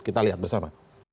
kita lihat bersama